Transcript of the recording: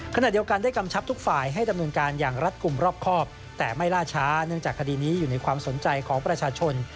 ขณะเดียวกันได้กำชับทุกฝ่ายให้ดำเนินการอย่างรัฐกลุ่มรอบครอบแต่ไม่ล่าช้าเนื่องจากคดีนี้อยู่ในความสนใจของประชาชน